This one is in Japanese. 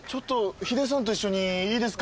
ヒデさんと一緒にいいですか？